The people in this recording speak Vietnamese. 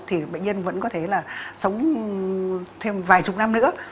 thì bệnh nhân vẫn có thể là sống thêm vài chục năm nữa